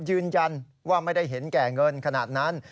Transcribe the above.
ยืนยันว่าไม่ได้เห็นแก่เงินขนาดนั้น